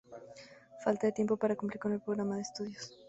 Falta de tiempo para cumplir con el programa de estudios.